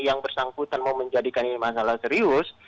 yang bersangkutan mau menjadikan ini masalah serius